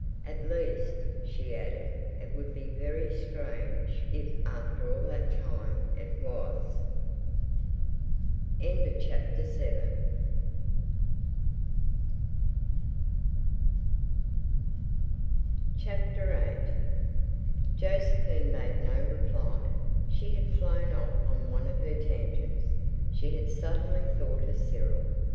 "At least," she added, "it would be very strange if after all that time it was." VIII Josephine made no reply. She had flown off on one of her tangents. She had suddenly thought of Cyril.